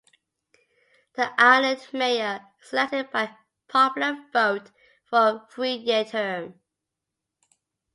The island Mayor is elected by popular vote for a three-year term.